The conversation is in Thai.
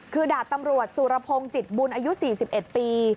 คือดาบตำรวจสุรพงศ์จิตบุญอายุ๔๑ปี